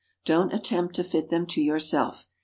Don't attempt to fit them to yourself.